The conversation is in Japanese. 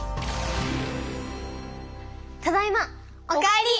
ただいま！お帰り！